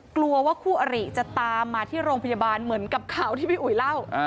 กลัวว่าคู่อริจะตามมาที่โรงพยาบาลเหมือนกับข่าวที่พี่อุ๋ยเล่า